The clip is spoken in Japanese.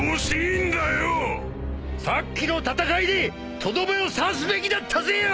さっきの戦いでとどめを刺すべきだったぜよ！